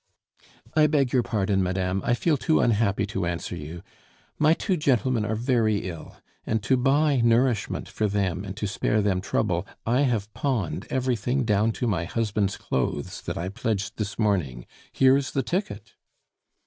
"I beg your pardon, madame, I feel too unhappy to answer you; my two gentlemen are very ill; and to buy nourishment for them and to spare them trouble, I have pawned everything down to my husband's clothes that I pledged this morning. Here is the ticket!"